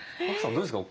どうですか？